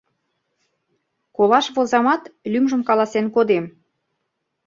Колаш возамат, лӱмжым каласен кодем.